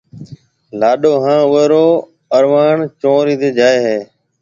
لاڏو ھان اوئيَ رو اروڻ چنورِي تيَ جائيَ ھيََََ